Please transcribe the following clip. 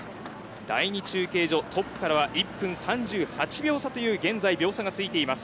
第２中継所トップからは１分３８秒差という現在、秒差がついています。